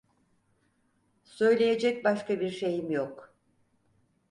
Söyleyecek başka bir şeyim yok.